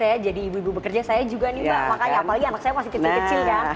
ya jadi ibu ibu bekerja saya juga nih mbak makanya apalagi anak saya masih kecil kecil kan